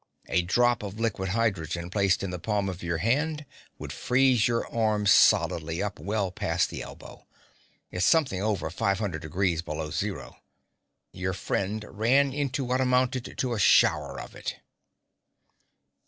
A drop of liquid hydrogen placed in the palm of your hand would freeze your arm solidly up well past the elbow. It's something over five hundred degrees below zero. Your friend ran into what amounted to a shower of it."